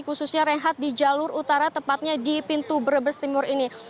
khususnya reinhard di jalur utara tepatnya di pintu brebes timur ini